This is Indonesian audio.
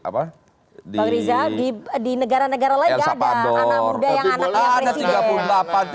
bang riza di negara negara lain gak ada anak muda yang anaknya presiden